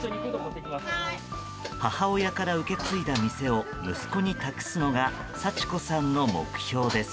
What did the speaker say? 母親から受け継いだ店を息子に託すのが幸子さんの目標です。